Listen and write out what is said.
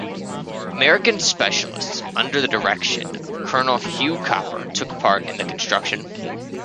American specialists under the direction of Colonel Hugh Cooper took part in the construction.